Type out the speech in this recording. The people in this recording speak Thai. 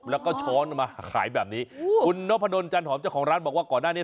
แล้วก็ช้อนมาขายแบบนี้คุณนพดลจันหอมเจ้าของร้านบอกว่าก่อนหน้านี้